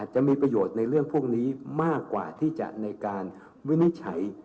จะมีประโยชน์ในเรื่องพวกนี้มากกว่าที่จะในการวินิจฉัย